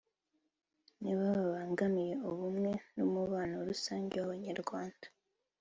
nibo babangamiye ubumwe n’umubano rusange w’Abanyarwanda